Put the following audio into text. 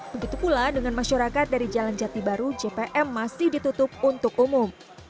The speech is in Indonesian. begitu pula dengan masyarakat dari jalan jati baru jpm masih ditutup untuk umum